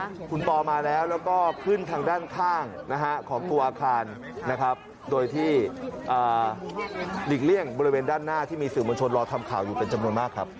คุณปอมาแล้วแล้วก็ขึ้นทางด้านข้างนะฮะของตัวอาคารนะครับโดยที่หลีกเลี่ยงบริเวณด้านหน้าที่มีสื่อมวลชนรอทำข่าวอยู่เป็นจำนวนมากครับ